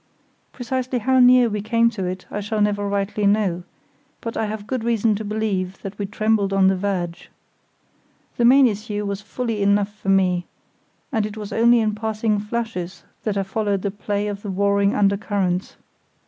Precisely how near we came to it I shall never rightly know; but I have good reason to believe that we trembled on the verge. The main issue was fully enough for me, and it was only in passing flashes that I followed the play of the warring under currents.